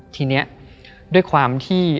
ทีนี้ด้วยความที่